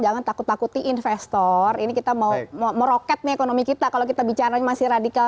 jangan takut takuti investor ini kita mau meroket nih ekonomi kita kalau kita bicara masih radikal